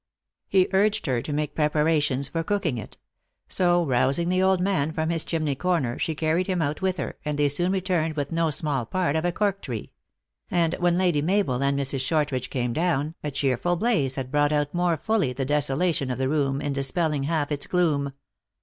He urged her to make preparations for cooking it ; so rousing the old man from his chimney corner, she carried him out with her, and they soon returned with no small part of a cork tree ; and when Lady Mabel and Mrs. Shortridge came down, a cheerful blaze had brought out more fully the desolation of the room in dispelling half its gloom.